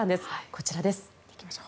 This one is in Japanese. こちらです。